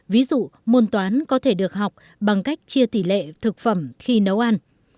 ví dụ môn toán có thể được học bằng cách chia tỷ lệ thực phẩm khi nấu ăn